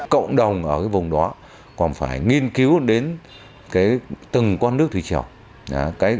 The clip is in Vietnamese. cộng đồng ở vùng đó còn phải nghiên cứu đến từng con nước thủy trèo